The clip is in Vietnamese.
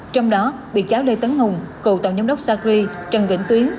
trong đó bị cáo lê tấn hùng cựu tòa nhân dân tp hcm trần vĩnh tuyến